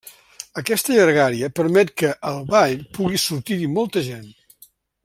Aquesta llargària permet que, al ball, pugui sortir-hi molta gent.